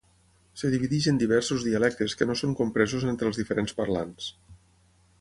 Es divideix en diversos dialectes que no són compresos entre els diferents parlants.